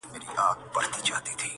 په دې ښار كي داسي ډېر به لېونيان وي،،!